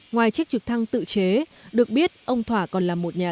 ngoài chiếc trực thăng tự chế được biết ông thỏa còn là một nhà